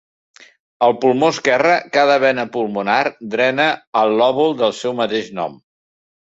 Al pulmó esquerre cada vena pulmonar drena al lòbul del seu mateix nom.